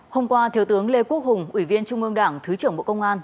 hôm qua thiếu tướng lê quốc hùng ủy viên trung ương đảng thứ trưởng bộ công an